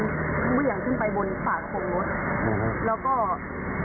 เพื่อให้คนออกลง